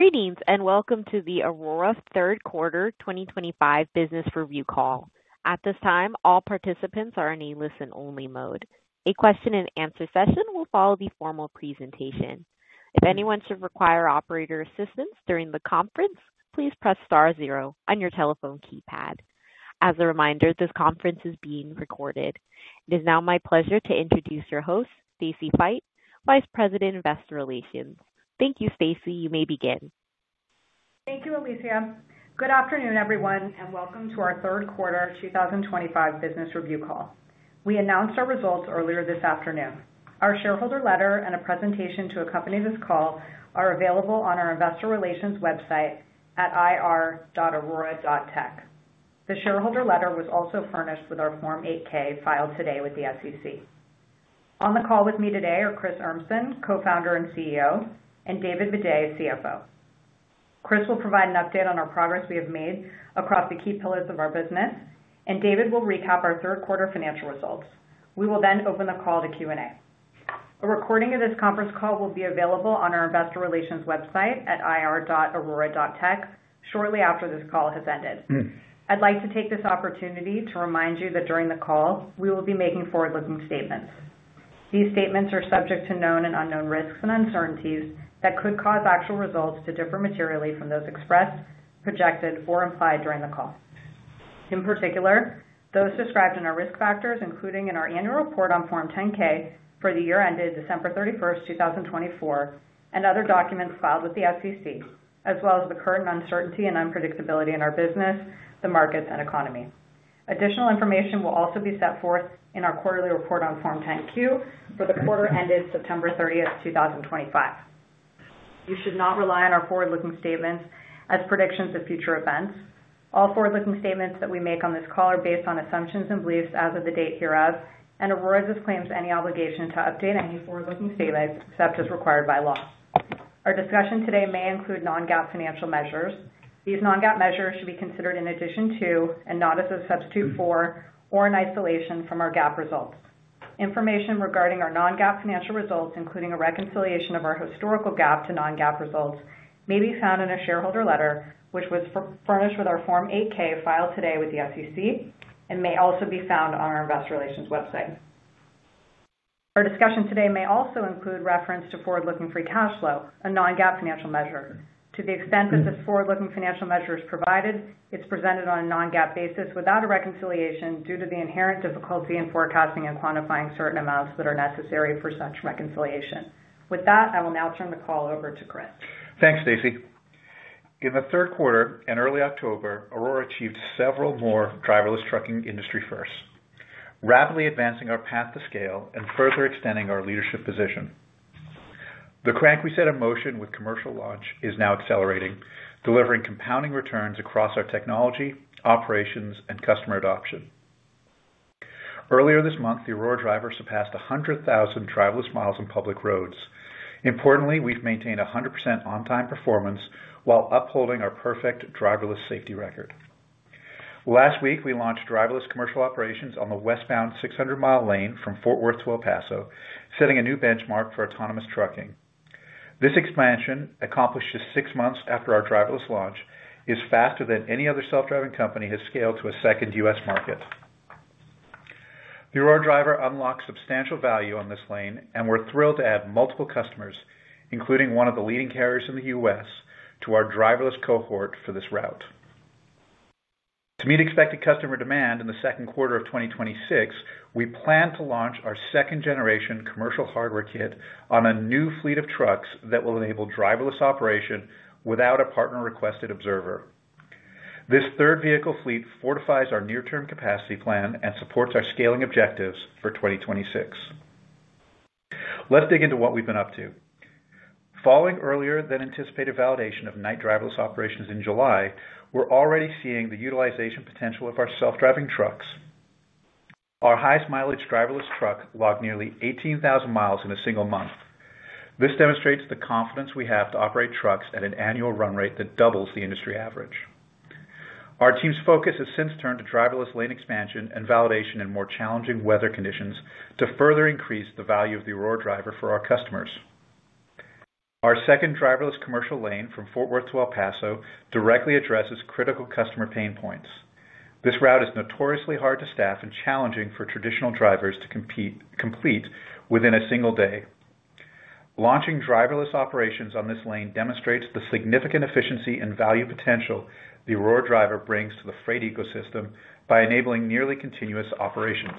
Greetings and welcome to the Aurora Innovation third quarter 2025 business review call. At this time, all participants are in a listen-only mode. A question and answer session will follow the formal presentation. If anyone should require operator assistance during the conference, please press star zero on your telephone keypad. As a reminder, this conference is being recorded. It is now my pleasure to introduce your host, Stacy Feit, Vice President of Investor Relations. Thank you, Stacy. You may begin. Thank you, Alicia. Good afternoon, everyone, and welcome to our third quarter 2025 business review call. We announced our results earlier this afternoon. Our shareholder letter and a presentation to accompany this call are available on our investor relations website at ir.aurora.tech. The shareholder letter was also furnished with our Form 8-K filed today with the SEC. On the call with me today are Chris Urmson, Co-Founder and CEO, and David Maday, CFO. Chris will provide an update on our progress we have made across the key pillars of our business, and David will recap our third quarter financial results. We will then open the call to Q&A. A recording of this conference call will be available on our investor relations website at ir.aurora.tech shortly after this call has ended. I'd like to take this opportunity to remind you that during the call, we will be making forward-looking statements. These statements are subject to known and unknown risks and uncertainties that could cause actual results to differ materially from those expressed, projected, or implied during the call. In particular, those described in our risk factors, including in our annual report on Form 10-K for the year ended December 31, 2024, and other documents filed with the SEC, as well as the current uncertainty and unpredictability in our business, the market, and economy. Additional information will also be set forth in our quarterly report on Form 10-Q for the quarter ended September 30, 2025. You should not rely on our forward-looking statements as predictions of future events. All forward-looking statements that we make on this call are based on assumptions and beliefs as of the date hereof, and Aurora disclaims any obligation to update any forward-looking statements except as required by law. Our discussion today may include non-GAAP financial measures. These non-GAAP measures should be considered in addition to, and not as a substitute for, or in isolation from our GAAP results. Information regarding our non-GAAP financial results, including a reconciliation of our historical GAAP to non-GAAP results, may be found in a shareholder letter, which was furnished with our Form 8-K filed today with the SEC, and may also be found on our investor relations website. Our discussion today may also include reference to forward-looking free cash flow, a non-GAAP financial measure. To the extent that this forward-looking financial measure is provided, it's presented on a non-GAAP basis without a reconciliation due to the inherent difficulty in forecasting and quantifying certain amounts that are necessary for such reconciliation. With that, I will now turn the call over to Chris. Thanks, Stacy. In the third quarter and early October, Aurora achieved several more driverless trucking industry firsts, rapidly advancing our path to scale and further extending our leadership position. The crank we set in motion with commercial launch is now accelerating, delivering compounding returns across our technology, operations, and customer adoption. Earlier this month, the Aurora Driver surpassed 100,000 driverless miles on public roads. Importantly, we've maintained 100% on-time performance while upholding our perfect driverless safety record. Last week, we launched driverless commercial operations on the westbound 600-mile lane from Fort Worth to El Paso, setting a new benchmark for autonomous trucking. This expansion, accomplished just six months after our driverless launch, is faster than any other self-driving company has scaled to a second U.S. market. The Aurora Driver unlocks substantial value on this lane, and we're thrilled to add multiple customers, including one of the leading carriers in the U.S., to our driverless cohort for this route. To meet expected customer demand in the second quarter of 2026, we plan to launch our second-generation commercial hardware kit on a new fleet of trucks that will enable driverless operation without a partner-requested observer. This third vehicle fleet fortifies our near-term capacity plan and supports our scaling objectives for 2026. Let's dig into what we've been up to. Following earlier than anticipated validation of night driverless operations in July, we're already seeing the utilization potential of our self-driving trucks. Our highest mileage driverless truck logged nearly 18,000 miles in a single month. This demonstrates the confidence we have to operate trucks at an annual run rate that doubles the industry average. Our team's focus has since turned to driverless lane expansion and validation in more challenging weather conditions to further increase the value of the Aurora Driver for our customers. Our second driverless commercial lane from Fort Worth to El Paso directly addresses critical customer pain points. This route is notoriously hard to staff and challenging for traditional drivers to complete within a single day. Launching driverless operations on this lane demonstrates the significant efficiency and value potential the Aurora Driver brings to the freight ecosystem by enabling nearly continuous operations.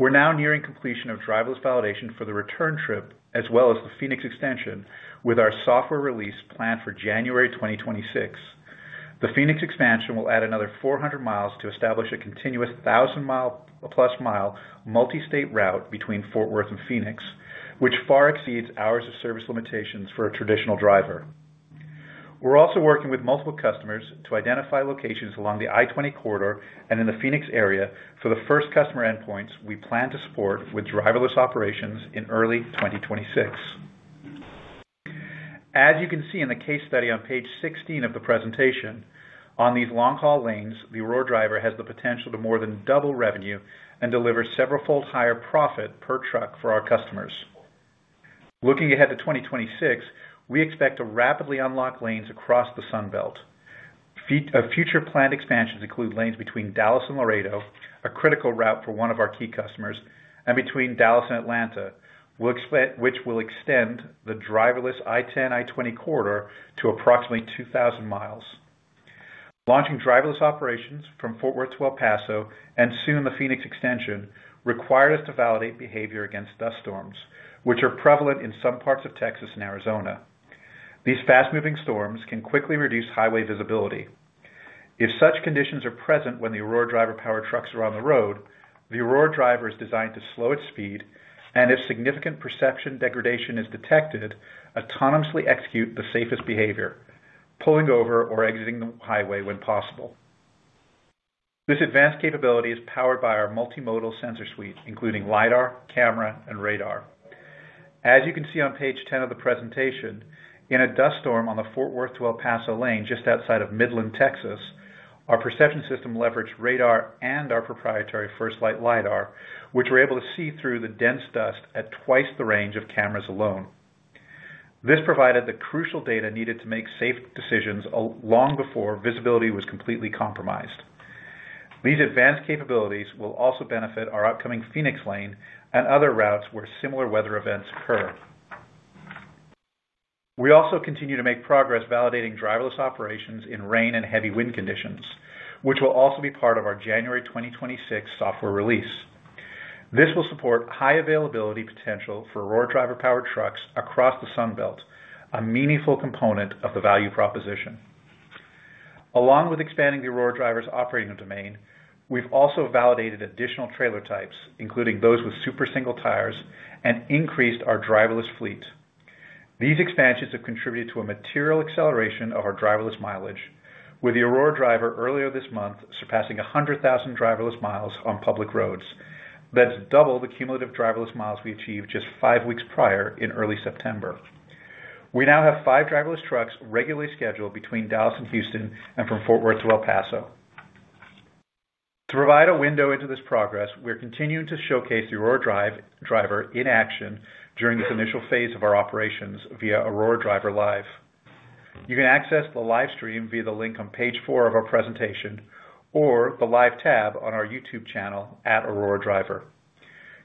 We're now nearing completion of driverless validation for the return trip, as well as the Phoenix extension, with our software release planned for January 2026. The Phoenix expansion will add another 400 mi to establish a continuous 1,000+ mi multi-state route between Fort Worth and Phoenix, which far exceeds hours of service limitations for a traditional driver. We're also working with multiple customers to identify locations along the I-20 corridor and in the Phoenix area for the first customer endpoints we plan to support with driverless operations in early 2026. As you can see in the case study on page 16 of the presentation, on these long-haul lanes, the Aurora Driver has the potential to more than double revenue and deliver several fold higher profit per truck for our customers. Looking ahead to 2026, we expect to rapidly unlock lanes across the Sunbelt. Future planned expansions include lanes between Dallas and Laredo, a critical route for one of our key customers, and between Dallas and Atlanta, which will extend the driverless I-10, I-20 corridor to approximately 2,000 mi. Launching driverless operations from Fort Worth to El Paso, and soon the Phoenix extension, required us to validate behavior against dust storms, which are prevalent in some parts of Texas and Arizona. These fast-moving storms can quickly reduce highway visibility. If such conditions are present when the Aurora Driver-powered trucks are on the road, the Aurora Driver is designed to slow its speed and, if significant perception degradation is detected, autonomously execute the safest behavior, pulling over or exiting the highway when possible. This advanced capability is powered by our multimodal sensor suite, including LIDAR, camera, and radar. As you can see on page 10 of the presentation, in a dust storm on the Fort Worth to El Paso lane just outside of Midland, Texas, our perception system leveraged radar and our proprietary First Light LIDAR, which were able to see through the dense dust at twice the range of cameras alone. This provided the crucial data needed to make safe decisions long before visibility was completely compromised. These advanced capabilities will also benefit our upcoming Phoenix lane and other routes where similar weather events occur. We also continue to make progress validating driverless operations in rain and heavy wind conditions, which will also be part of our January 2026 software release. This will support high availability potential for Aurora driver-powered trucks across the Sunbelt, a meaningful component of the value proposition. Along with expanding the Aurora driver's operating domain, we've also validated additional trailer types, including those with super single tires, and increased our driverless fleet. These expansions have contributed to a material acceleration of our driverless mileage, with the Aurora driver earlier this month surpassing 100,000 driverless miles on public roads. That's double the cumulative driverless miles we achieved just five weeks prior in early September. We now have five driverless trucks regularly scheduled between Dallas and Houston and from Fort Worth to El Paso. To provide a window into this progress, we're continuing to showcase the Aurora driver in action during this initial phase of our operations via Aurora Driver Live. You can access the live stream via the link on page four of our presentation or the live tab on our YouTube channel at Aurora Driver.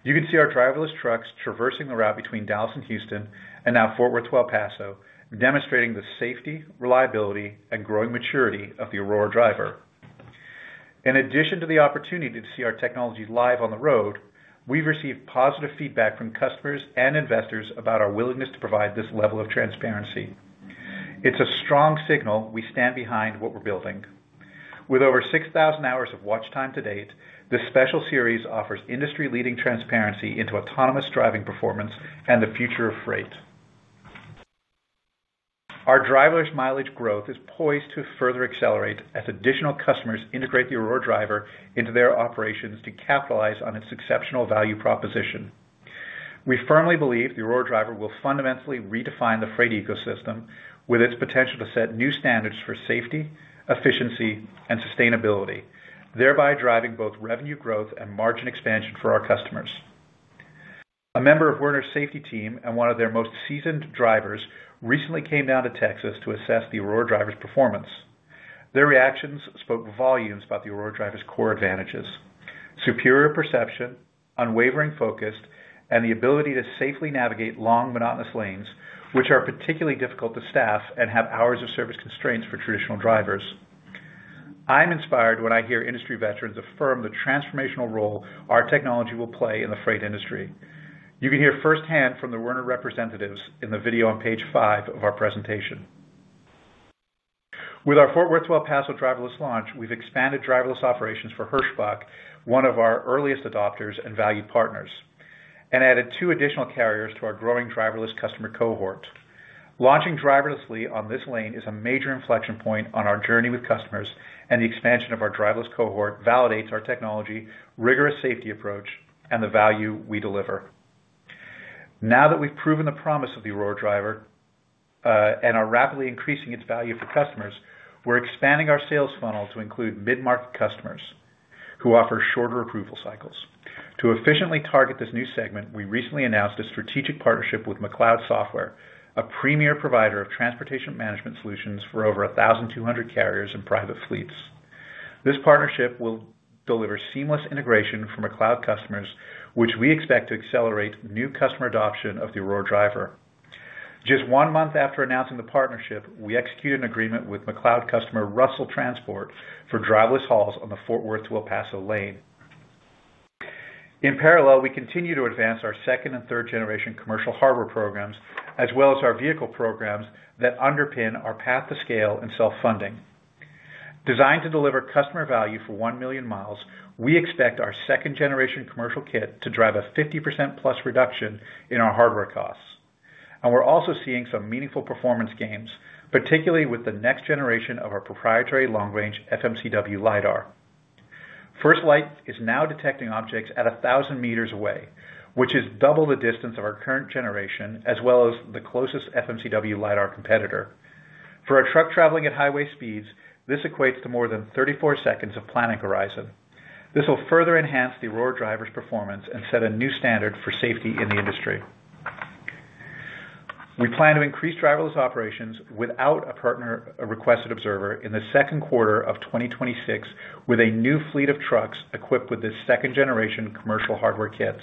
You can see our driverless trucks traversing the route between Dallas and Houston and now Fort Worth to El Paso, demonstrating the safety, reliability, and growing maturity of the Aurora driver. In addition to the opportunity to see our technology live on the road, we've received positive feedback from customers and investors about our willingness to provide this level of transparency. It's a strong signal we stand behind what we're building. With over 6,000 hours of watch time to date, this special series offers industry-leading transparency into autonomous driving performance and the future of freight. Our driverless mileage growth is poised to further accelerate as additional customers integrate the Aurora driver into their operations to capitalize on its exceptional value proposition. We firmly believe the Aurora driver will fundamentally redefine the freight ecosystem with its potential to set new standards for safety, efficiency, and sustainability, thereby driving both revenue growth and margin expansion for our customers. A member of Werner's safety team and one of their most seasoned drivers recently came down to Texas to assess the Aurora driver's performance. Their reactions spoke volumes about the Aurora driver's core advantages: superior perception, unwavering focus, and the ability to safely navigate long, monotonous lanes, which are particularly difficult to staff and have hours of service constraints for traditional drivers. I'm inspired when I hear industry veterans affirm the transformational role our technology will play in the freight industry. You can hear firsthand from the Werner representatives in the video on page five of our presentation. With our Fort Worth to El Paso driverless launch, we've expanded driverless operations for Hirschbach, one of our earliest adopters and valued partners, and added two additional carriers to our growing driverless customer cohort. Launching driverlessly on this lane is a major inflection point on our journey with customers, and the expansion of our driverless cohort validates our technology, rigorous safety approach, and the value we deliver. Now that we've proven the promise of the Aurora Driver and are rapidly increasing its value for customers, we're expanding our sales funnel to include mid-market customers who offer shorter approval cycles. To efficiently target this new segment, we recently announced a strategic partnership with McLeod Software, a premier provider of transportation management solutions for over 1,200 carriers and private fleets. This partnership will deliver seamless integration for McLeod customers, which we expect to accelerate new customer adoption of the Aurora Driver. Just one month after announcing the partnership, we executed an agreement with McLeod customer Russell Transport for driverless hauls on the Fort Worth to El Paso lane. In parallel, we continue to advance our second and third-generation commercial hardware programs, as well as our vehicle programs that underpin our path to scale and self-funding. Designed to deliver customer value for 1 million miles, we expect our second-generation commercial kit to drive a 50%+ reduction in our hardware costs. We're also seeing some meaningful performance gains, particularly with the next generation of our proprietary long-range FMCW LIDAR. FirstLight is now detecting objects at 1,000 meters away, which is double the distance of our current generation, as well as the closest FMCW LIDAR competitor. For a truck traveling at highway speeds, this equates to more than 34 seconds of planning horizon. This will further enhance the Aurora Driver's performance and set a new standard for safety in the industry. We plan to increase driverless operations without a partner-requested observer in the second quarter of 2026 with a new fleet of trucks equipped with this second-generation commercial hardware kit.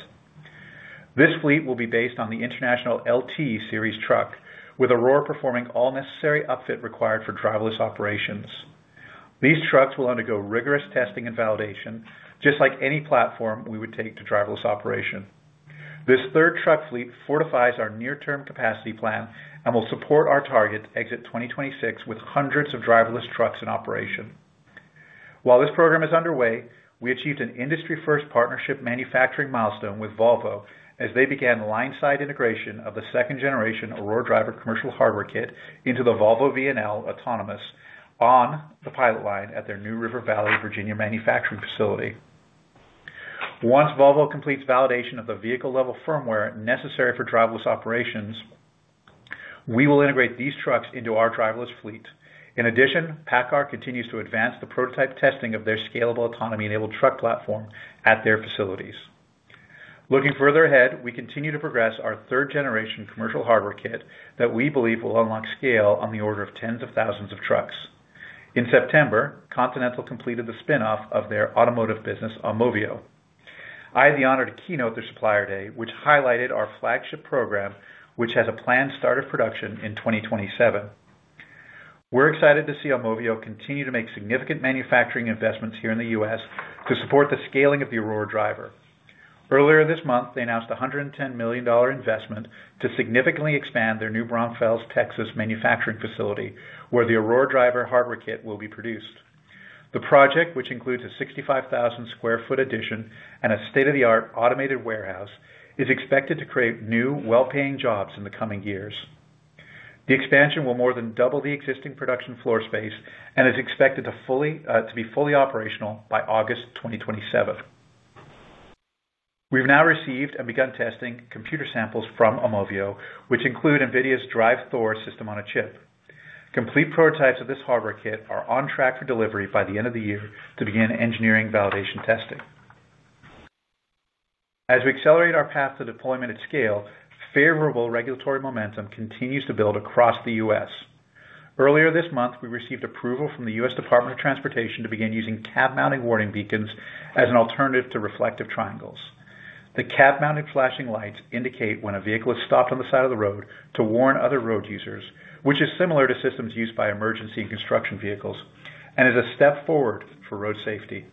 This fleet will be based on the International LT Series truck, with Aurora performing all necessary upfit required for driverless operations. These trucks will undergo rigorous testing and validation, just like any platform we would take to driverless operation. This third truck fleet fortifies our near-term capacity plan and will support our target exit 2026 with hundreds of driverless trucks in operation. While this program is underway, we achieved an industry-first partnership manufacturing milestone with Volvo as they began line-side integration of the second-generation Aurora Driver commercial hardware kit into the Volvo VNL Autonomous on the pilot line at their New River Valley, Virginia manufacturing facility. Once Volvo completes validation of the vehicle-level firmware necessary for driverless operations, we will integrate these trucks into our driverless fleet. In addition, PACCAR continues to advance the prototype testing of their scalable autonomy-enabled truck platform at their facilities. Looking further ahead, we continue to progress our third-generation commercial hardware kit that we believe will unlock scale on the order of tens of thousands of trucks. In September, Continental completed the spin-off of their automotive business, Omovio. I had the honor to keynote their supplier day, which highlighted our flagship program, which has a planned start of production in 2027. We're excited to see Omovio continue to make significant manufacturing investments here in the U.S. to support the scaling of the Aurora Driver. Earlier this month, they announced a $110 million investment to significantly expand their New Braunfels, Texas manufacturing facility where the Aurora Driver hardware kit will be produced. The project, which includes a 65,000 sq ft addition and a state-of-the-art automated warehouse, is expected to create new, well-paying jobs in the coming years. The expansion will more than double the existing production floor space and is expected to be fully operational by August 2027. We've now received and begun testing computer samples from Omovio, which include NVIDIA's DRIVE Thor system on a chip. Complete prototypes of this hardware kit are on track for delivery by the end of the year to begin engineering validation testing. As we accelerate our path to deployment at scale, favorable regulatory momentum continues to build across the U.S. Earlier this month, we received approval from the U.S. Department of Transportation to begin using cab-mounted warning beacons as an alternative to reflective triangles. The cab-mounted flashing lights indicate when a vehicle is stopped on the side of the road to warn other road users, which is similar to systems used by emergency and construction vehicles and is a step forward for road safety.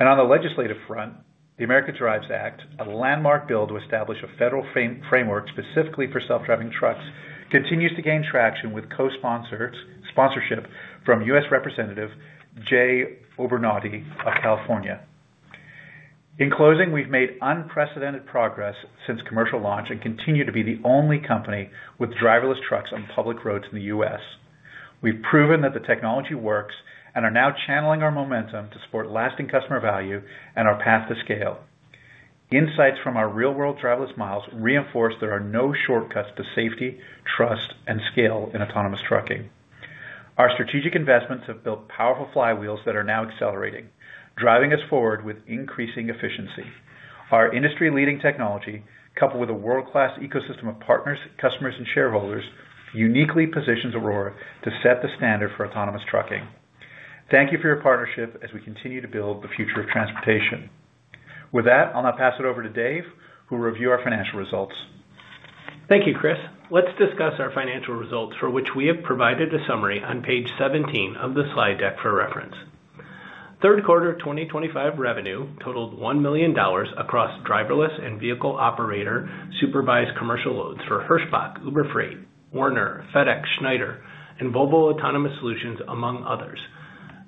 On the legislative front, the American Drives Act, a landmark bill to establish a federal framework specifically for self-driving trucks, continues to gain traction with co-sponsorship from U.S. Representative Jay Obernolte of California. In closing, we've made unprecedented progress since commercial launch and continue to be the only company with driverless trucks on public roads in the U.S. We've proven that the technology works and are now channeling our momentum to support lasting customer value and our path to scale. Insights from our real-world driverless miles reinforce there are no shortcuts to safety, trust, and scale in autonomous trucking. Our strategic investments have built powerful flywheels that are now accelerating, driving us forward with increasing efficiency. Our industry-leading technology, coupled with a world-class ecosystem of partners, customers, and shareholders, uniquely positions Aurora Innovation to set the standard for autonomous trucking. Thank you for your partnership as we continue to build the future of transportation. With that, I'll now pass it over to Dave, who will review our financial results. Thank you, Chris. Let's discuss our financial results, for which we have provided a summary on page 17 of the slide deck for reference. Third quarter 2025 revenue totaled $1 million across driverless and vehicle operator-supervised commercial loads for Hirschbach, Uber Freight, Werner, FedEx, Schneider, and Volvo Autonomous Solutions, among others.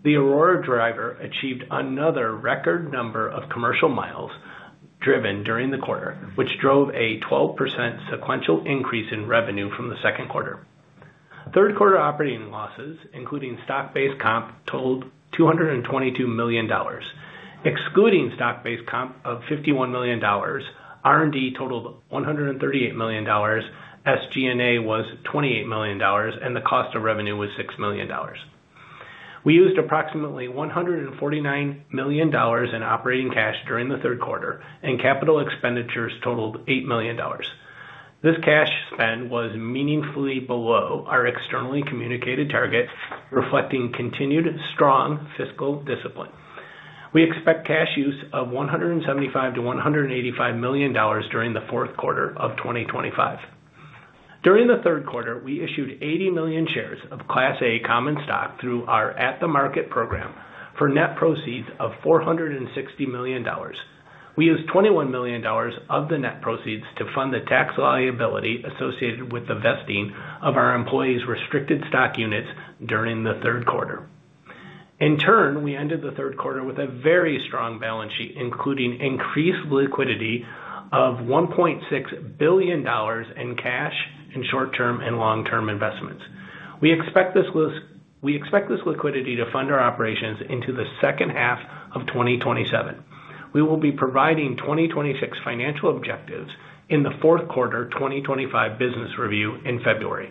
The Aurora Driver achieved another record number of commercial miles driven during the quarter, which drove a 12% sequential increase in revenue from the second quarter. Third quarter operating losses, including stock-based compensation, totaled $222 million. Excluding stock-based compensation of $51 million, R&D totaled $138 million, SG&A was $28 million, and the cost of revenue was $6 million. We used approximately $149 million in operating cash during the third quarter, and capital expenditures totaled $8 million. This cash spend was meaningfully below our externally communicated target, reflecting continued strong fiscal discipline. We expect cash use of $175 million-$185 million during the fourth quarter of 2025. During the third quarter, we issued 80 million shares of Class A common stock through our at-the-market program for net proceeds of $460 million. We used $21 million of the net proceeds to fund the tax liability associated with the vesting of our employees' restricted stock units during the third quarter. In turn, we ended the third quarter with a very strong balance sheet, including increased liquidity of $1.6 billion in cash and short-term and long-term investments. We expect this liquidity to fund our operations into the second half of 2027. We will be providing 2026 financial objectives in the fourth quarter 2025 business review in February.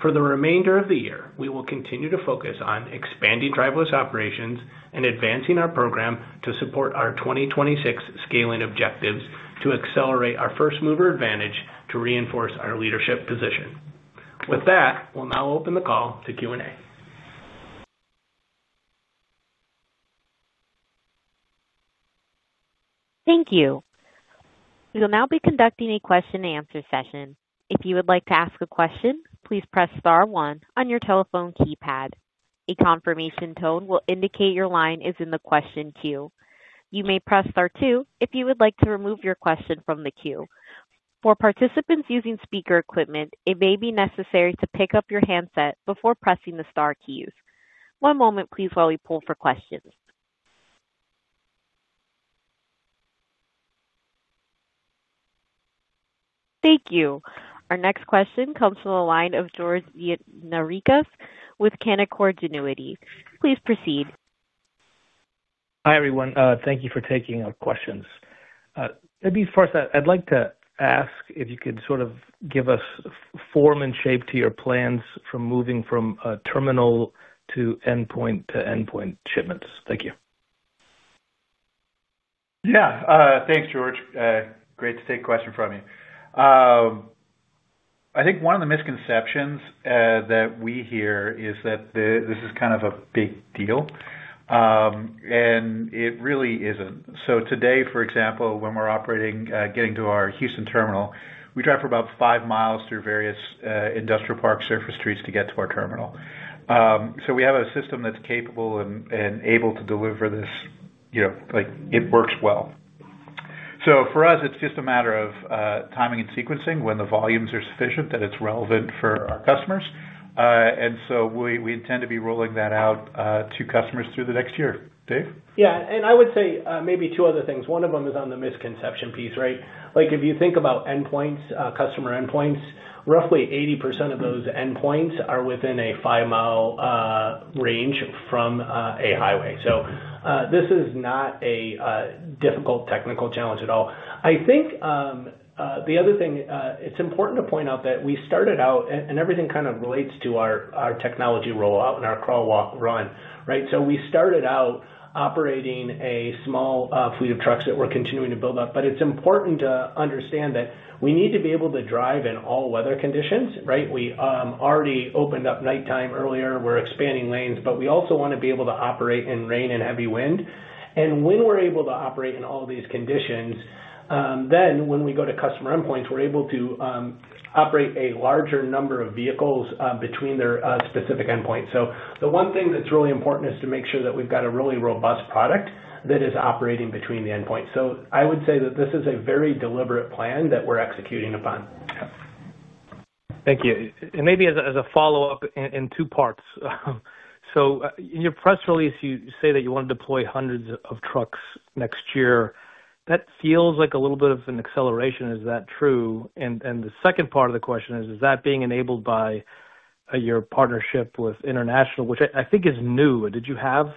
For the remainder of the year, we will continue to focus on expanding driverless operations and advancing our program to support our 2026 scaling objectives to accelerate our first-mover advantage to reinforce our leadership position. With that, we'll now open the call to Q&A. Thank you. We will now be conducting a question and answer session. If you would like to ask a question, please press star one on your telephone keypad. A confirmation tone will indicate your line is in the question queue. You may press star two if you would like to remove your question from the queue. For participants using speaker equipment, it may be necessary to pick up your handset before pressing the star keys. One moment, please, while we pull for questions. Thank you. Our next question comes from the line of George Gianarikas with Canaccord Genuity. Please proceed. Hi, everyone. Thank you for taking questions. Maybe first, I'd like to ask if you could sort of give us form and shape to your plans for moving from terminal to endpoint to endpoint shipments. Thank you. Yeah. Thanks, George. Great to take a question from you. I think one of the misconceptions that we hear is that this is kind of a big deal, and it really isn't. Today, for example, when we're operating, getting to our Houston terminal, we drive for about five miles through various industrial park surface streets to get to our terminal. We have a system that's capable and able to deliver this. It works well. For us, it's just a matter of timing and sequencing when the volumes are sufficient that it's relevant for our customers. We intend to be rolling that out to customers through the next year. Dave? Yeah. I would say maybe two other things. One of them is on the misconception piece, right? If you think about endpoints, customer endpoints, roughly 80% of those endpoints are within a five-mile range from a highway. This is not a difficult technical challenge at all. I think the other thing, it's important to point out that we started out, and everything kind of relates to our technology rollout and our crawl walk run, right? We started out operating a small fleet of trucks that we're continuing to build up. It's important to understand that we need to be able to drive in all weather conditions, right? We already opened up nighttime earlier. We're expanding lanes, but we also want to be able to operate in rain and heavy wind. When we're able to operate in all these conditions, then when we go to customer endpoints, we're able to operate a larger number of vehicles between their specific endpoints. The one thing that's really important is to make sure that we've got a really robust product that is operating between the endpoints. I would say that this is a very deliberate plan that we're executing upon. Thank you. Maybe as a follow-up in two parts. In your press release, you say that you want to deploy hundreds of trucks next year. That feels like a little bit of an acceleration. Is that true? The second part of the question is, is that being enabled by your partnership with International, which I think is new? Did you have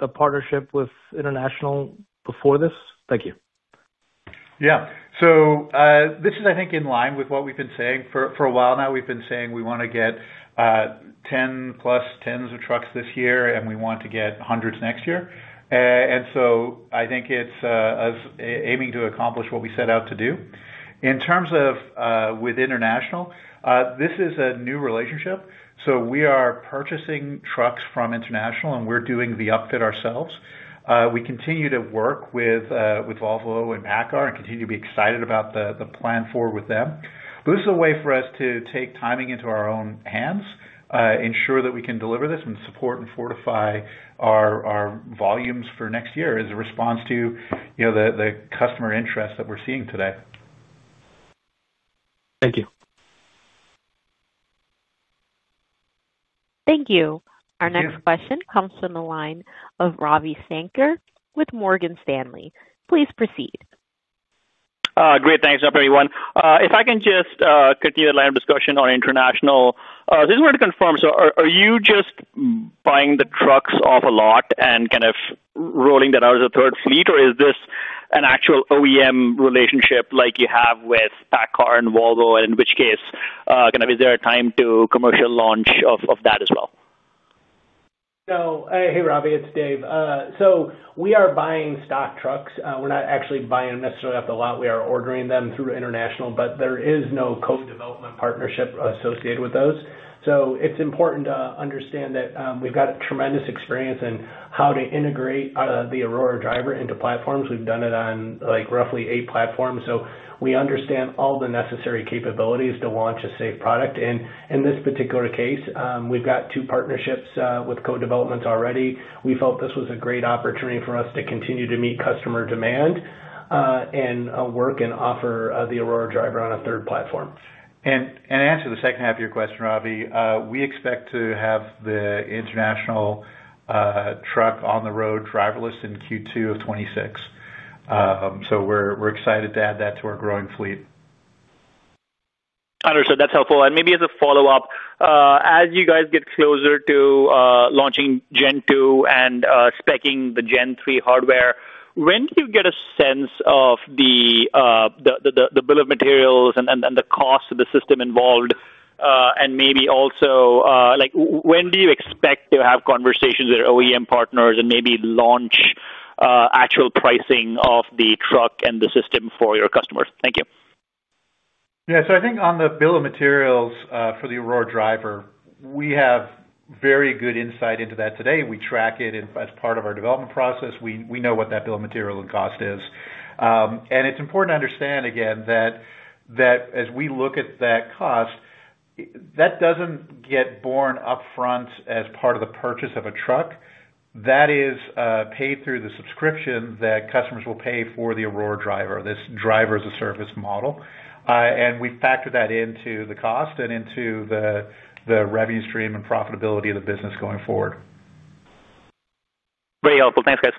a partnership with International before this? Thank you. Yeah. This is, I think, in line with what we've been saying. For a while now, we've been saying we want to get 10 plus tens of trucks this year, and we want to get hundreds next year. I think it's us aiming to accomplish what we set out to do. In terms of with International, this is a new relationship. We are purchasing trucks from International, and we're doing the upfit ourselves. We continue to work with Volvo and PACCAR and continue to be excited about the plan forward with them. This is a way for us to take timing into our own hands, ensure that we can deliver this, and support and fortify our volumes for next year as a response to the customer interests that we're seeing today. Thank you. Thank you. Our next question comes from the line of Ravi Shankar with Morgan Stanley. Please proceed. Great. Thanks. What's up, everyone? If I can just continue the line of discussion on International, I just wanted to confirm, are you just buying the trucks off a lot and kind of rolling that out as a third fleet, or is this an actual OEM relationship like you have with PACCAR and Volvo, in which case, is there a time to commercial launch of that as well? Hey, Ravi. It's Dave. We are buying stock trucks. We're not actually buying them necessarily off the lot. We are ordering them through International, but there is no co-development partnership associated with those. It's important to understand that we've got tremendous experience in how to integrate the Aurora Driver into platforms. We've done it on roughly eight platforms. We understand all the necessary capabilities to launch a safe product. In this particular case, we've got two partnerships with co-developments already. We felt this was a great opportunity for us to continue to meet customer demand and work and offer the Aurora Driver on a third platform. To answer the second half of your question, Ravi, we expect to have the International LT Series truck on the road driverless in Q2 2026. We're excited to add that to our growing fleet. Understood. That's helpful. Maybe as a follow-up, as you guys get closer to launching Gen 2 and speccing the Gen 3 hardware, when do you get a sense of the bill of materials and the cost of the system involved? Maybe also, when do you expect to have conversations with your OEM partners and launch actual pricing of the truck and the system for your customers? Thank you. Yeah. I think on the bill of materials for the Aurora Driver, we have very good insight into that today. We track it as part of our development process. We know what that bill of material and cost is. It's important to understand, again, that as we look at that cost, that doesn't get borne upfront as part of the purchase of a truck. That is paid through the subscription that customers will pay for the Aurora Driver, this driver-as-a-service model. We factor that into the cost and into the revenue stream and profitability of the business going forward. Very helpful. Thanks, guys.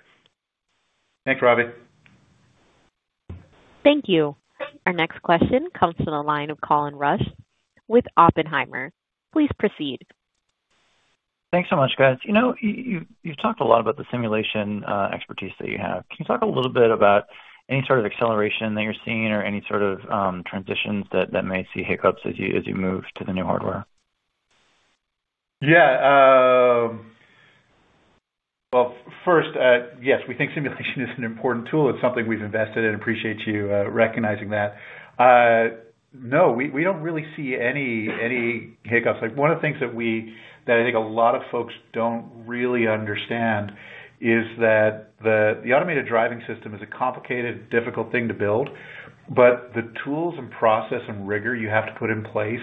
Thanks, Ravi. Thank you. Our next question comes from the line of Colin Rusch with Oppenheimer. Please proceed. Thanks so much, guys. You've talked a lot about the simulation expertise that you have. Can you talk a little bit about any sort of acceleration that you're seeing or any sort of transitions that may see hiccups as you move to the new hardware? Yes, we think simulation is an important tool. It's something we've invested in. I appreciate you recognizing that. No, we don't really see any hiccups. One of the things that I think a lot of folks don't really understand is that the automated driving system is a complicated, difficult thing to build, but the tools and process and rigor you have to put in place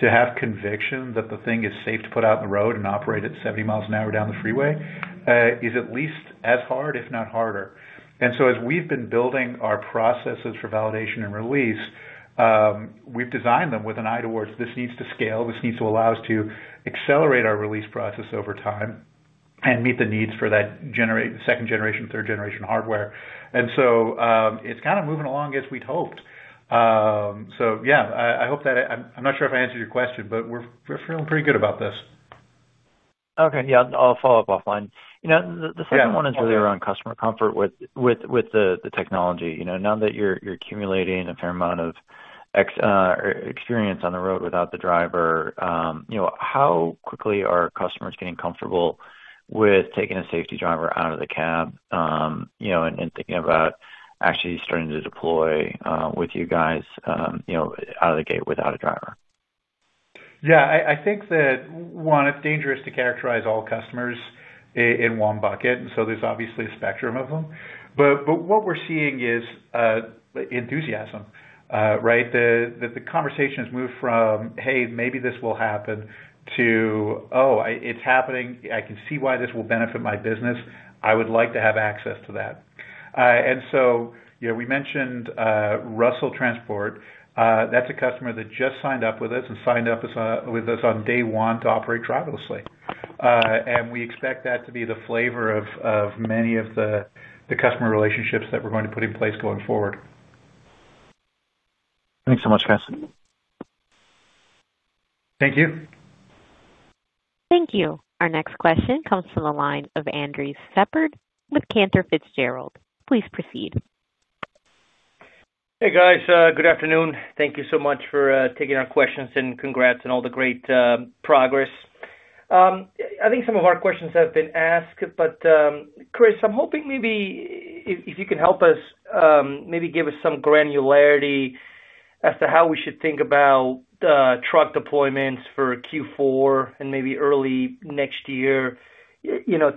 to have conviction that the thing is safe to put out in the road and operate at 70 mi an hour down the freeway is at least as hard, if not harder. As we've been building our processes for validation and release, we've designed them with an eye towards this needs to scale. This needs to allow us to accelerate our release process over time and meet the needs for that second generation, third generation hardware. It's kind of moving along as we'd hoped. I hope that I'm not sure if I answered your question, but we're feeling pretty good about this. Okay. I'll follow up offline. The second one is really around customer comfort with the technology. Now that you're accumulating a fair amount of experience on the road without the driver, how quickly are customers getting comfortable with taking a safety driver out of the cab and thinking about actually starting to deploy with you guys out of the gate without a driver? I think that, one, it's dangerous to characterize all customers in one bucket. There's obviously a spectrum of them. What we're seeing is enthusiasm, right? The conversation has moved from, "Hey, maybe this will happen," to, "Oh, it's happening. I can see why this will benefit my business. I would like to have access to that." We mentioned Russell Transport. That's a customer that just signed up with us and signed up with us on day one to operate driverlessly. We expect that to be the flavor of many of the customer relationships that we're going to put in place going forward. Thanks so much, guys. Thank you. Thank you. Our next question comes from the line of Andres Sheppard with Cantor Fitzgerald. Please proceed. Hey, guys. Good afternoon. Thank you so much for taking our questions and congrats on all the great progress. I think some of our questions have been asked, but Chris, I'm hoping maybe if you can help us maybe give us some granularity as to how we should think about truck deployments for Q4 and maybe early next year, you know,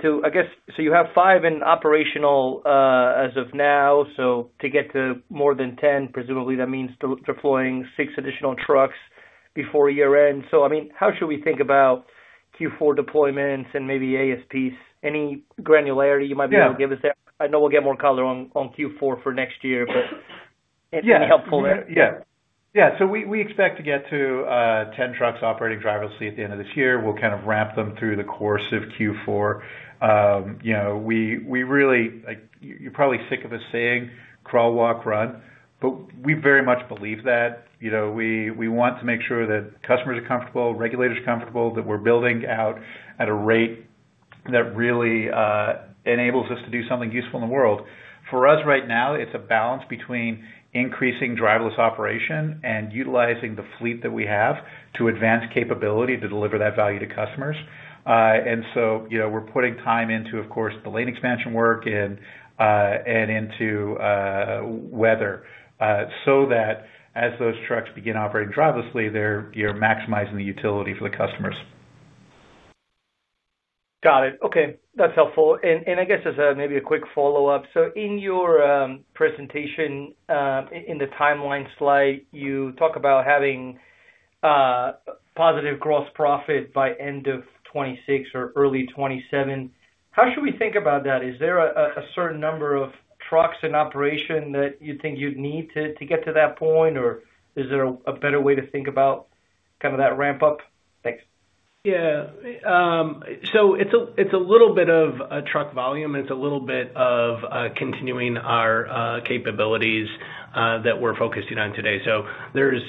you have five in operational as of now. To get to more than 10, presumably that means deploying six additional trucks before year-end. How should we think about Q4 deployments and maybe ASPs? Any granularity you might be able to give us there? I know we'll get more color on Q4 for next year, but any helpful there? Yeah. Yeah. We expect to get to 10 trucks operating driverlessly at the end of this year. We'll kind of ramp them through the course of Q4. You're probably sick of us saying crawl, walk, run, but we very much believe that. We want to make sure that customers are comfortable, regulators are comfortable, that we're building out at a rate that really enables us to do something useful in the world. For us right now, it's a balance between increasing driverless operation and utilizing the fleet that we have to advance capability to deliver that value to customers. We're putting time into, of course, the lane expansion work and into weather so that as those trucks begin operating driverlessly, you're maximizing the utility for the customers. Got it. Okay. That's helpful. I guess as maybe a quick follow-up, in your presentation, in the timeline slide, you talk about having positive gross profit by end of 2026 or early 2027. How should we think about that? Is there a certain number of trucks in operation that you think you'd need to get to that point, or is there a better way to think about kind of that ramp-up? Thanks. Yeah. It's a little bit of truck volume, and it's a little bit of continuing our capabilities that we're focusing on today. There's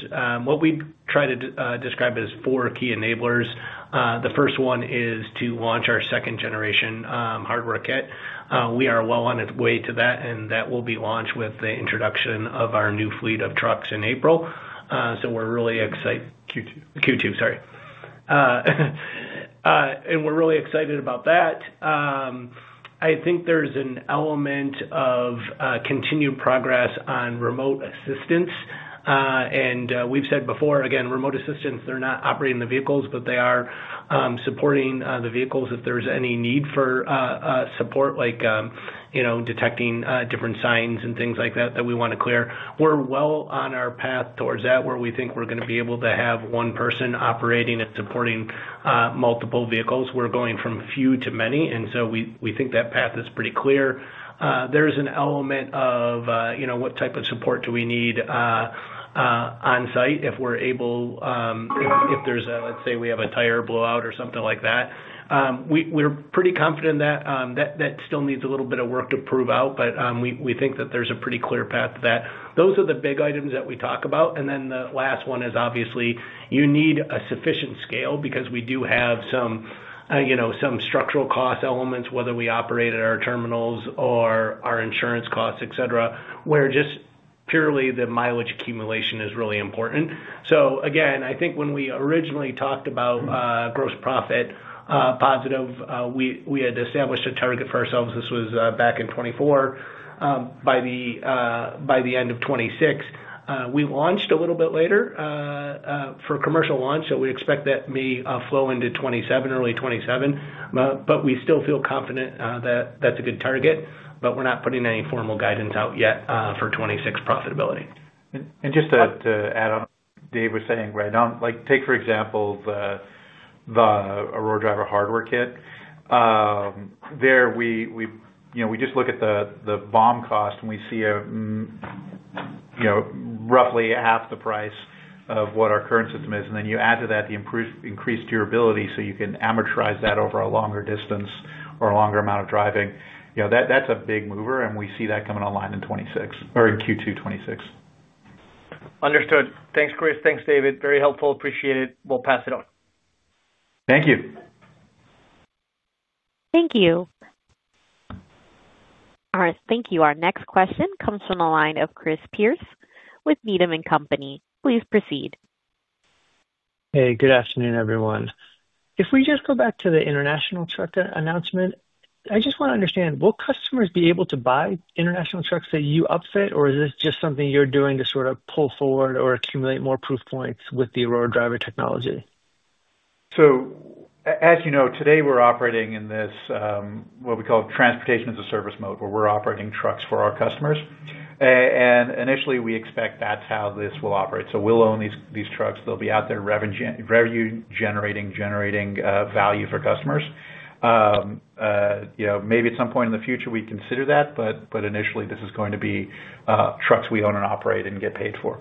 what we try to describe as four key enablers. The first one is to launch our second-generation hardware kit. We are well on its way to that, and that will be launched with the introduction of our new fleet of trucks in April. We're really excited. Q2. Q2, sorry. We're really excited about that. I think there's an element of continued progress on remote assistance. We've said before, remote assistance, they're not operating the vehicles, but they are supporting the vehicles if there's any need for support, like detecting different signs and things like that that we want to clear. We're well on our path towards that where we think we're going to be able to have one person operating and supporting multiple vehicles. We're going from few to many, and we think that path is pretty clear. There is an element of what type of support do we need on-site if we're able, if there's a, let's say, we have a tire blowout or something like that. We're pretty confident in that. That still needs a little bit of work to prove out, but we think that there's a pretty clear path to that. Those are the big items that we talk about. The last one is obviously you need a sufficient scale because we do have some structural cost elements, whether we operate at our terminals or our insurance costs, etc., where just purely the mileage accumulation is really important. I think when we originally talked about gross profit positive, we had established a target for ourselves. This was back in 2024. By the end of 2026, we launched a little bit later for commercial launch. We expect that may flow into 2027, early 2027. We still feel confident that that's a good target, but we're not putting any formal guidance out yet for 2026 profitability. To add on what Dave was saying, right? Take for example the Aurora Driver hardware kit. There, we just look at the BOM cost and we see roughly half the price of what our current system is. You add to that the increased durability so you can amortize that over a longer distance or a longer amount of driving. That's a big mover, and we see that coming online in 2026 or in Q2 2026. Understood. Thanks, Chris. Thanks, David. Very helpful. Appreciate it. We'll pass it on. Thank you. Thank you. All right. Thank you. Our next question comes from the line of Chris Pierce with Needham & Company. Please proceed. Hey, good afternoon, everyone. If we just go back to the International LT Series truck announcement, I just want to understand, will customers be able to buy International LT Series trucks that you upfit, or is this just something you're doing to sort of pull forward or accumulate more proof points with the Aurora Driver technology? As you know, today we're operating in this, what we call transportation as a service mode, where we're operating trucks for our customers. Initially, we expect that's how this will operate. We'll own these trucks. They'll be out there revenue generating, generating value for customers. Maybe at some point in the future, we consider that, but initially, this is going to be trucks we own and operate and get paid for.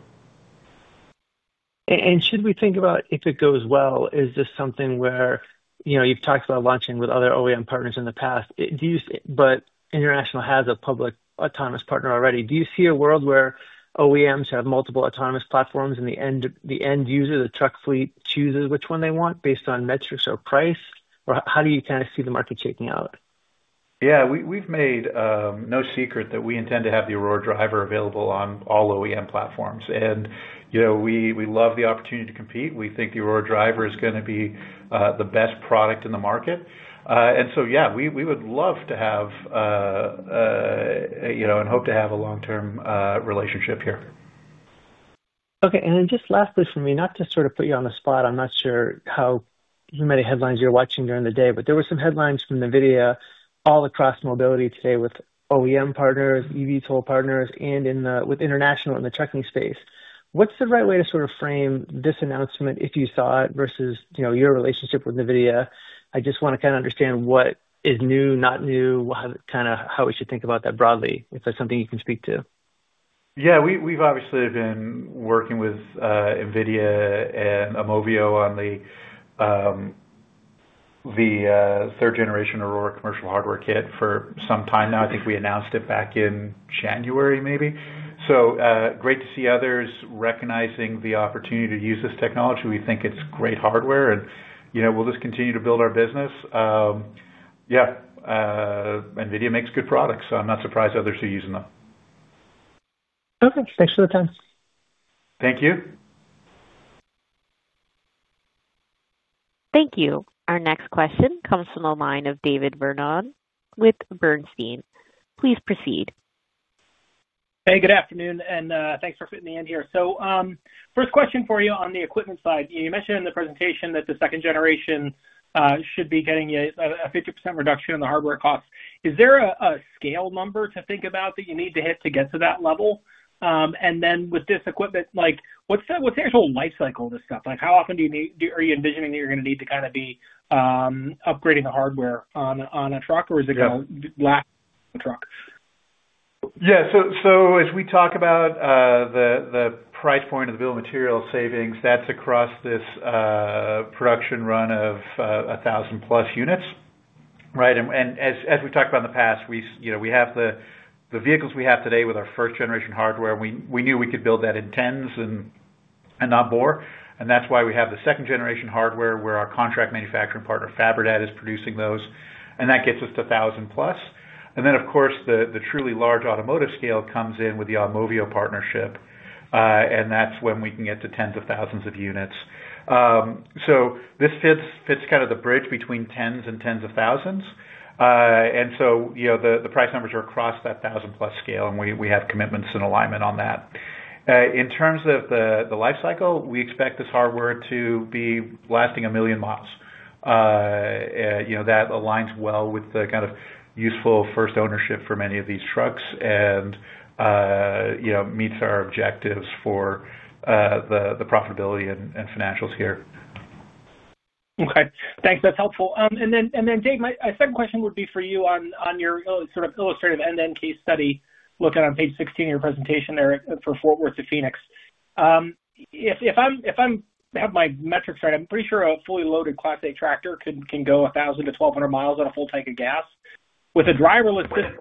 Should we think about, if it goes well, is this something where, you know, you've talked about launching with other OEM partners in the past, but International has a public autonomous partner already. Do you see a world where OEMs have multiple autonomous platforms and the end user, the truck fleet, chooses which one they want based on metrics or price? How do you kind of see the market shaking out? Yeah. We've made no secret that we intend to have the Aurora Driver available on all OEM platforms. You know, we love the opportunity to compete. We think the Aurora Driver is going to be the best product in the market. We would love to have, you know, and hope to have a long-term relationship here. Okay. Lastly for me, not to put you on the spot, I'm not sure how many headlines you're watching during the day, but there were some headlines from NVIDIA all across mobility today with OEM partners, EV tool partners, and with International in the trucking space. What's the right way to frame this announcement if you saw it versus your relationship with NVIDIA? I just want to understand what is new, not new, how we should think about that broadly, if that's something you can speak to. Yeah. We've obviously been working with NVIDIA and AUMOVIO on the third-generation Aurora commercial hardware kit for some time now. I think we announced it back in January maybe. It's great to see others recognizing the opportunity to use this technology. We think it's great hardware, and you know, we'll just continue to build our business. Yeah. NVIDIA makes good products, so I'm not surprised others are using them. Okay, thanks for the time. Thank you. Thank you. Our next question comes from the line of David Vernon with Bernstein. Please proceed. Hey, good afternoon, and thanks for fitting me in here. First question for you on the equipment side. You mentioned in the presentation that the second generation should be getting a 50% reduction in the hardware costs. Is there a scale number to think about that you need to hit to get to that level? With this equipment, what's the actual lifecycle of this stuff? How often are you envisioning that you're going to need to be upgrading the hardware on a truck, or is it going to last the truck? Yeah. As we talk about the price point of the bill of materials savings, that's across this production run of 1,000+ units, right? As we've talked about in the past, we have the vehicles we have today with our first-generation hardware. We knew we could build that in tens and not more. That's why we have the second-generation hardware where our contract manufacturing partner, FabriDad, is producing those. That gets us to 1,000+. Of course, the truly large automotive scale comes in with the AUMOVIO partnership. That's when we can get to tens of thousands of units. This fits kind of the bridge between tens and tens of thousands. The price numbers are across that 1,000+ scale, and we have commitments and alignment on that. In terms of the lifecycle, we expect this hardware to be lasting a million miles. That aligns well with the kind of useful first ownership for many of these trucks and meets our objectives for the profitability and financials here. Okay. Thanks. That's helpful. Dave, my second question would be for you on your sort of illustrative end-to-end case study looking on page 16 of your presentation there for Fort Worth to Phoenix. If I have my metrics right, I'm pretty sure a fully loaded Class A tractor can go 1,000 mi-1,200 mi on a full tank of gas. With a driverless system,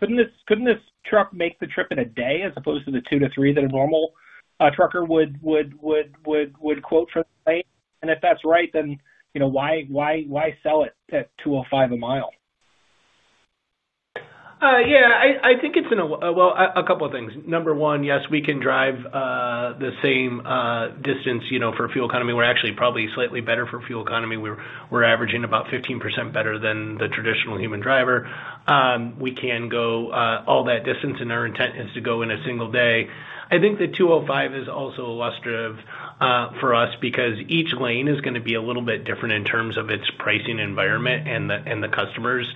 couldn't this truck make the trip in a day as opposed to the two to three that a normal trucker would quote for the day? If that's right, then you know why sell it at $2.05 a mile? I think it's in a, a couple of things. Number one, yes, we can drive the same distance, you know, for fuel economy. We're actually probably slightly better for fuel economy. We're averaging about 15% better than the traditional human driver. We can go all that distance, and our intent is to go in a single day. I think the 205 is also illustrative for us because each lane is going to be a little bit different in terms of its pricing environment and the customers.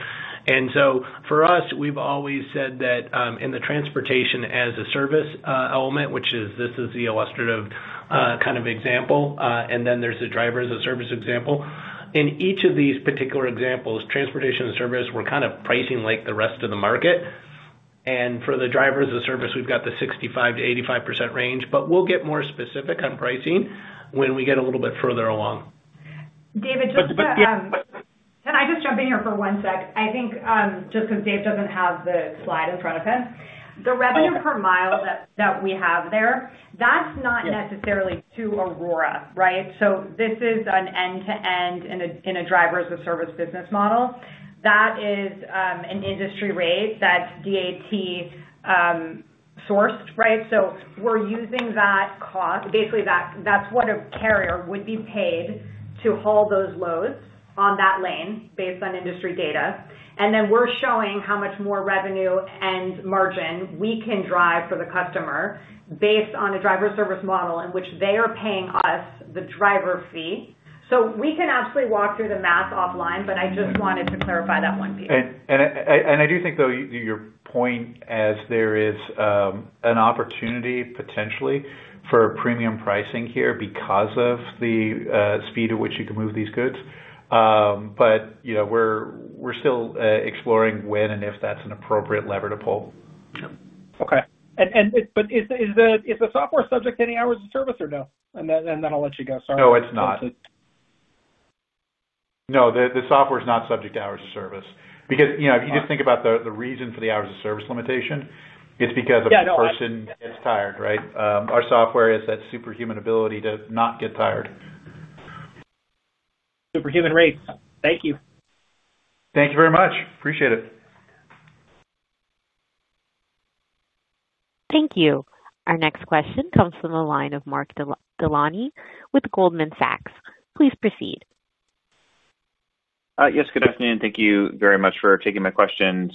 For us, we've always said that in the transportation as a service element, which is this is the illustrative kind of example, and then there's the driver-as-a-service example. In each of these particular examples, transportation as a service, we're kind of pricing like the rest of the market. For the driver-as-a-service, we've got the 65%-85% range, but we'll get more specific on pricing when we get a little bit further along. David, Can I just jump in here for one sec? I think just because Dave doesn't have the slide in front of him, the revenue per mile that we have there, that's not necessarily to Aurora, right? This is an end-to-end in a driver-as-a-service business model. That is an industry rate that's DAT-sourced, right? We're using that cost. Basically, that's what a carrier would be paid to haul those loads on that lane based on industry data. We're showing how much more revenue and margin we can drive for the customer based on a driver-as-a-service model in which they are paying us the driver fee. We can absolutely walk through the math offline, but I just wanted to clarify that one piece. I do think, though, your point is there is an opportunity potentially for premium pricing here because of the speed at which you can move these goods. You know we're still exploring when and if that's an appropriate lever to pull. Okay. Is the software subject to any hours of service or no? I'll let you go. Sorry. No, it's not. No, the software is not subject to hours of service because, you know, if you just think about the reason for the hours of service limitation, it's because the person gets tired, right? Our software has that superhuman ability to not get tired. Superhuman rates. Thank you. Thank you very much. Appreciate it. Thank you. Our next question comes from the line of Mark Delaney with Goldman Sachs. Please proceed. Yes. Good afternoon. Thank you very much for taking my questions.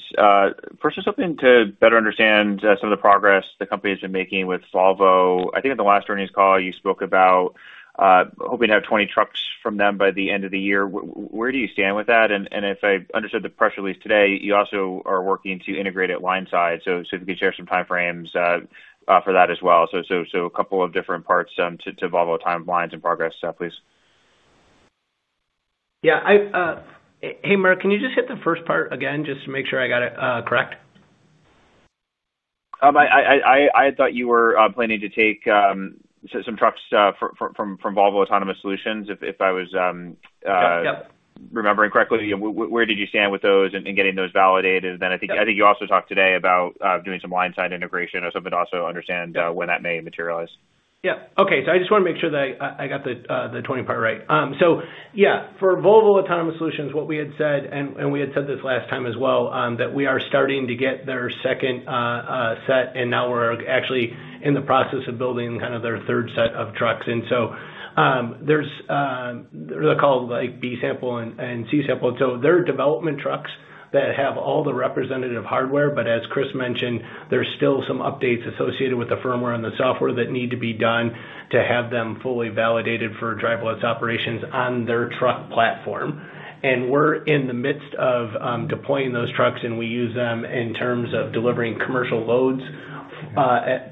First, just hoping to better understand some of the progress the company has been making with Volvo. I think at the last earnings call, you spoke about hoping to have 20 trucks from them by the end of the year. Where do you stand with that? If I understood the press release today, you also are working to integrate it line-side. If you could share some timeframes for that as well. A couple of different parts to Volvo timelines and progress, please. Yeah. Hey, Mark, can you just hit the first part again to make sure I got it correct? I thought you were planning to take some trucks from Volvo Autonomous Solutions. If I was remembering correctly, where did you stand with those and getting those validated? I think you also talked today about doing some line-side integration or something to also understand when that may materialize. Okay. I just want to make sure that I got the 20 part right. For Volvo Autonomous Solutions, what we had said, and we had said this last time as well, is that we are starting to get their second set, and now we're actually in the process of building kind of their third set of trucks. They're called B sample and C sample. They're development trucks that have all the representative hardware. As Chris mentioned, there's still some updates associated with the firmware and the software that need to be done to have them fully validated for driverless operations on their truck platform. We're in the midst of deploying those trucks, and we use them in terms of delivering commercial loads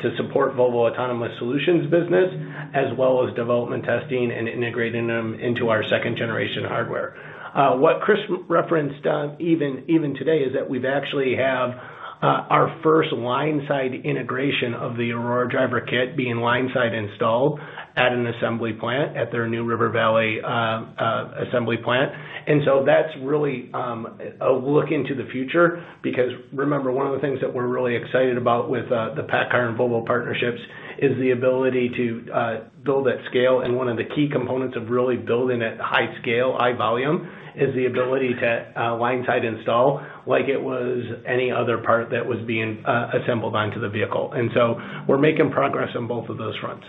to support Volvo Autonomous Solutions' business, as well as development testing and integrating them into our second-generation hardware. What Chris referenced even today is that we actually have our first line-side integration of the Aurora Driver kit being line-side installed at an assembly plant at their New River Valley assembly plant. That's really a look into the future because remember, one of the things that we're really excited about with the PACCAR and Volvo partnerships is the ability to build at scale. One of the key components of really building at high scale, high volume is the ability to line-side install like it was any other part that was being assembled onto the vehicle. We're making progress on both of those fronts.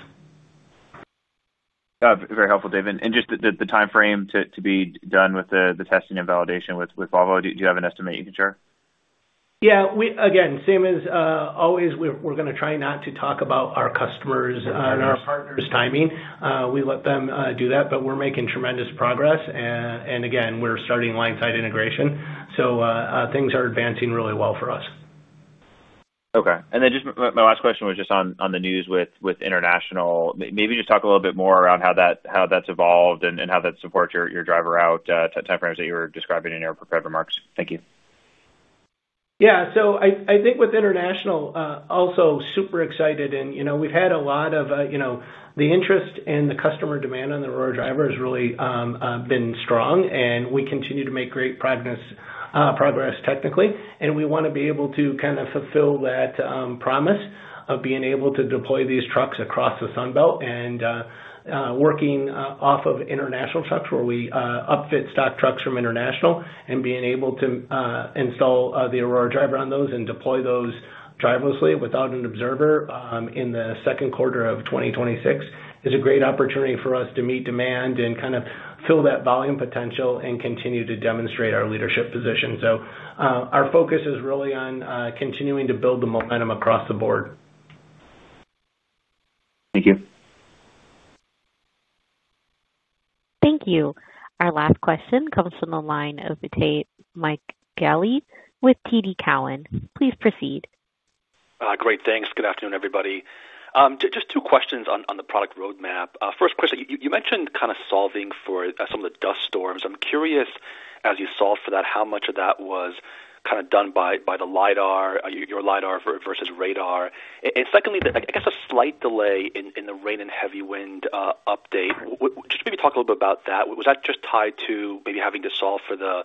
Yeah. Very helpful, David. Just the timeframe to be done with the testing and validation with Volvo, do you have an estimate you can share? Yeah. Again, same as always, we're going to try not to talk about our customers' and our partners' timing. We let them do that, but we're making tremendous progress. We're starting line-side integration, so things are advancing really well for us. Okay. My last question was just on the news with International. Maybe just talk a little bit more around how that's evolved and how that supports your driver route timeframes that you were describing in your prepared remarks. Thank you. Yeah. I think with International, also super excited. You know we've had a lot of the interest and the customer demand on the Aurora Driver has really been strong, and we continue to make great progress technically. We want to be able to kind of fulfill that promise of being able to deploy these trucks across the Sunbelt and working off of International trucks where we upfit stock trucks from International and being able to install the Aurora Driver on those and deploy those driverlessly without an observer in the second quarter of 2026 is a great opportunity for us to meet demand and kind of fill that volume potential and continue to demonstrate our leadership position. Our focus is really on continuing to build the momentum across the board. Thank you. Thank you. Our last question comes from the line of Mike Galli with TD Cowen. Please proceed. Great. Thanks. Good afternoon, everybody. Just two questions on the product roadmap. First question, you mentioned kind of solving for some of the dust storms. I'm curious, as you solved for that, how much of that was kind of done by the LIDAR, your LIDAR versus radar? Secondly, I guess a slight delay in the rain and heavy wind update. Just maybe talk a little bit about that. Was that just tied to maybe having to solve for the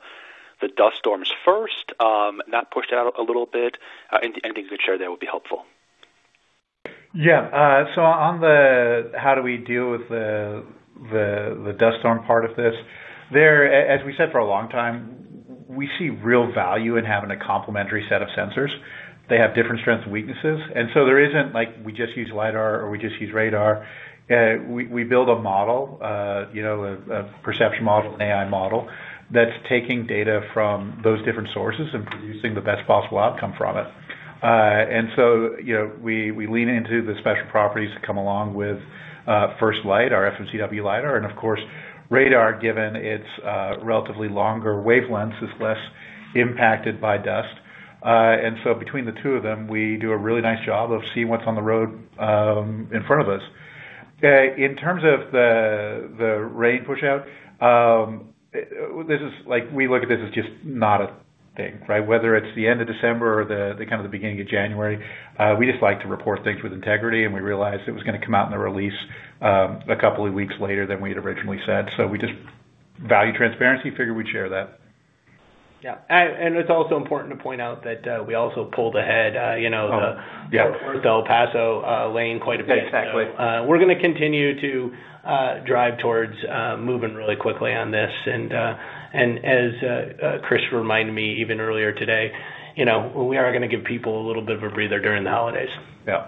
dust storms first? That pushed out a little bit. Anything you could share there would be helpful. Yeah. On the how do we deal with the dust storm part of this, as we said for a long time, we see real value in having a complementary set of sensors. They have different strengths and weaknesses. There isn't like we just use LIDAR or we just use radar. We build a model, a perception model, an AI model that's taking data from those different sources and producing the best possible outcome from it. We lean into the special properties that come along with First Light, our FMCW LIDAR. Of course, radar, given its relatively longer wavelengths, is less impacted by dust. Between the two of them, we do a really nice job of seeing what's on the road in front of us. In terms of the rain push-out, we look at this as just not a thing, right? Whether it's the end of December or the beginning of January, we just like to report things with integrity, and we realized it was going to come out in the release a couple of weeks later than we had originally said. We value transparency, figured we'd share that. Yeah, it's also important to point out that we also pulled ahead the Fort Worth to El Paso lane quite a bit. Exactly. We're going to continue to drive towards moving really quickly on this. As Chris reminded me even earlier today, you know, we are going to give people a little bit of a breather during the holidays. Yeah,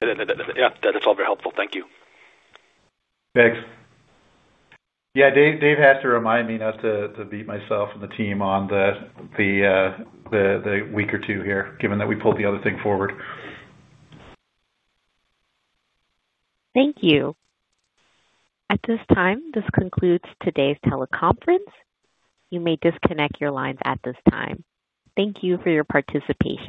that's all very helpful. Thank you. Thanks. Yeah, Dave has to remind me not to beat myself and the team up on the week or two here, given that we pulled the other thing forward. Thank you. At this time, this concludes today's teleconference. You may disconnect your lines at this time. Thank you for your participation.